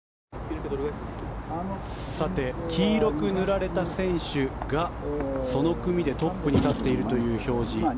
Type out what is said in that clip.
黄色く塗られた選手がその組でトップに立っているという表示。